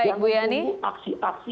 yang menunggu aksi aksi